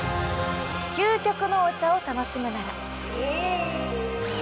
究極のお茶を楽しむなら。